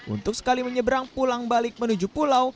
untuk sekali menyeberang pulang balik menuju pulau